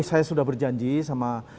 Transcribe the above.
saya sudah berjanji sama